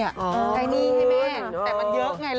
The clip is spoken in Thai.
หนี้ให้แม่แต่มันเยอะไง